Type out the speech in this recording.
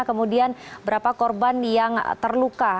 kemudian berapa korban yang terluka